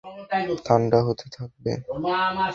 ঠাণ্ডা হতে থাকবে।